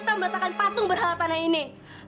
bapak akan meletakkan patung berharap tanah ini